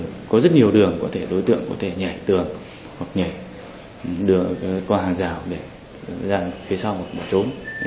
và có rất nhiều đường đối tượng có thể nhảy tường hoặc nhảy đường qua hàng rào để ra phía sau bỏ trốn